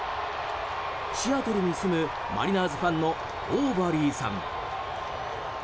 シアトルに住むマリナーズファンのオーバリーさん。